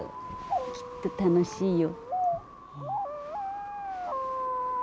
きっと楽しいよ。